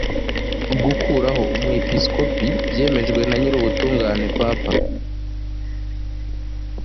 gukuraho umwepisikopi byemejwe na nyirubutungane papa